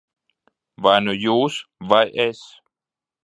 Vai nu jūs, vai es.